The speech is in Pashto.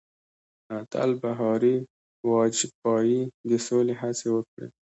اتل بهاري واجپايي د سولې هڅې وکړې.